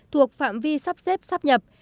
thuộc phạm vi sắp xếp sắp nhập